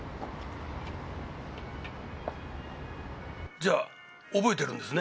じゃあ覚えてるんですね？